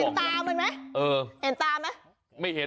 ให้ดูอีกทีนะให้ดูอีกทีอ่ะ